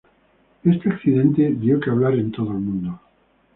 Este accidente dio de que hablar en todo el mundo.